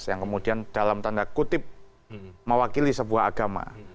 yang kemudian dalam tanda kutip mewakili sebuah agama